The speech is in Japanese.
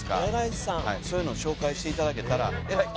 そういうの紹介していただけたら。